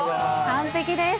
完璧です。